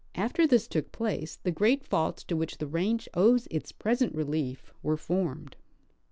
After this took place the great faults to which the range owes its present relief were formed.